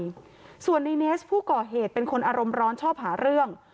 ด้วยส่วนในเนสผู้ก่อเหตุเป็นคนอารมณ์ร้อนชอบหาเรื่อง